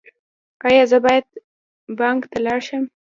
ایا زه باید بانک ته لاړ شم؟